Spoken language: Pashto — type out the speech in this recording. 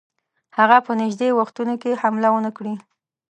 هغه په نیژدې وختونو کې حمله ونه کړي.